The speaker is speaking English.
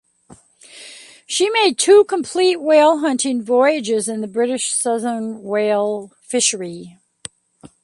She made two complete whale hunting voyages in the British Southern Whale Fishery.